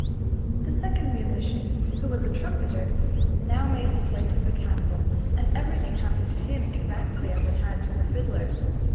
The second musician, who was a trumpeter, now made his way to the castle, and everything happened to him exactly as it had to the fiddler.